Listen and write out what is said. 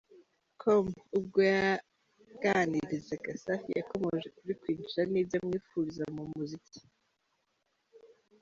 com ubwo yaganirizaga Safi yakomoje kuri Queen Cha n'ibyo amwifuriza mu muziki.